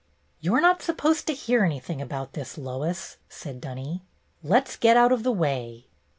"You 're not supposed to hear anything about this, Lois," said Dunny. "Let's get out of the way."